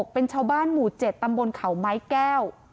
เป็นชาวบ้านหมู่๗ตำบลเขาไม้แก้ว